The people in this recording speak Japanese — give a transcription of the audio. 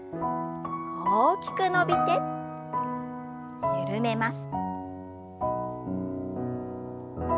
大きく伸びて緩めます。